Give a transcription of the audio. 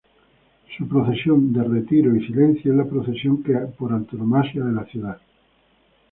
Su procesión del retiro y silencio es la procesión por antonomasia de la ciudad.